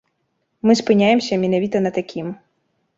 Мы спыняемся менавіта на такім.